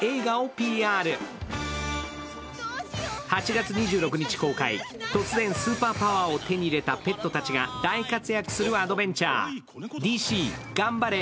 ８月２６日公開、突然スーパーパワーを手に入れたペットたちが大活躍するアドベンチャー、「ＤＣがんばれ！